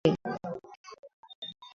Kenya yetu amani tele.